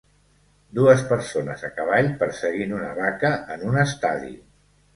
Dues persones a cavall perseguint una vaca en un estadi